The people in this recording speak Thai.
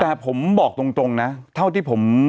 แต่ผมบอกตรงนะเท่าที่ผม